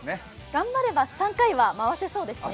頑張れば３回は回せそうですね。